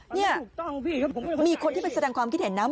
นี่มีคนที่ไปแสดงความคิดเห็นนะ